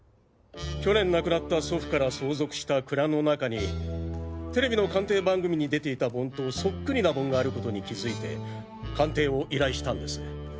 去年亡くなった祖父から相続した倉の中にテレビの鑑定番組に出ていた盆とそっくりな盆がある事に気づいて鑑定を依頼したんです。